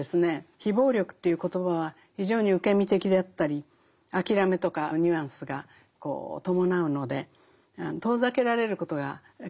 非暴力という言葉は非常に受け身的であったり諦めとかニュアンスが伴うので遠ざけられることが結構あるんですね。